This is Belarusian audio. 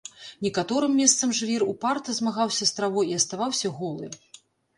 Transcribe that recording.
Некаторым месцам жвір упарта змагаўся з травой і аставаўся голы.